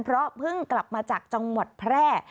เพราะเพิ่งกลับมาจากจังหวัดแพร่